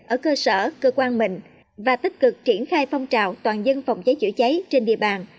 ở cơ sở cơ quan mình và tích cực triển khai phong trào toàn dân phòng cháy chữa cháy trên địa bàn